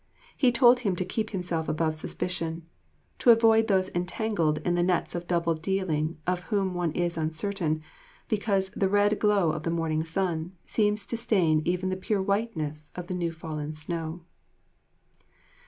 He told him to keep himself above suspicion, to avoid those entangled in the nets of double dealing of whom one is uncertain, because "the red glow of the morning sun seems to stain even the pure whiteness of the new fallen snow."